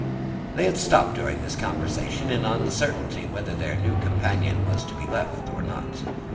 They had stopped during this conversation, in uncertainty whether their new companion was to be left or not.